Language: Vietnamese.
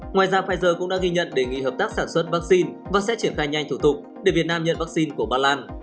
ngoài ra pfizer cũng đã ghi nhận đề nghị hợp tác sản xuất vaccine và sẽ triển khai nhanh thủ tục để việt nam nhận vaccine của ba lan